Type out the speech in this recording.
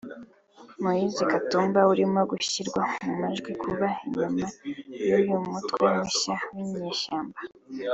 Moise Katumbi urimo gushyirwa mu majwi kuba inyuma y’uyu mutwe mushya w’inyeshyamba